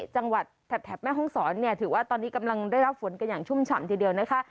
จังหวัดแถบแม่ห้องศรเนี่ยถือว่าตอนนี้กำลังได้รับฝนกันอย่างชุ่มฉ่ำทีเดียวนะคะ